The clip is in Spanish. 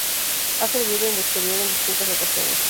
Ha servido en el exterior en distintas ocasiones.